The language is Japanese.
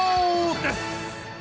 です！